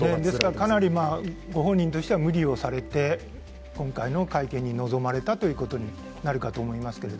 かなりご本人としては無理をされて今回の会見に臨まれたということになるかと思いますけど。